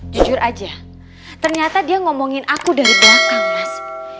jujur aja ternyata dia ngomongin aku dari belakang mas